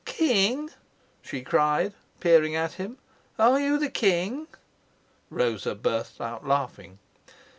"King!" she cried, peering at him. "Are you the king?" Rosa burst out laughing.